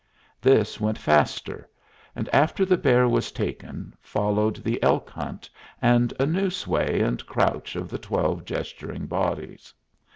This went faster; and after the bear was taken, followed the elk hunt, and a new sway and crouch of the twelve gesturing bodies.